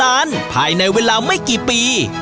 นั้นภายในเวลาไม่กี่ปี